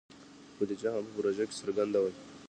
بودیجه هم په پروژه کې څرګنده وي.